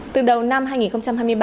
từ đầu năm hai nghìn hai mươi ba